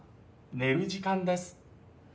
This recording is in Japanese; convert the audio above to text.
寝る時間です。